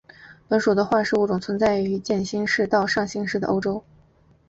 本属的化石物种存在于渐新世到上新世的欧洲。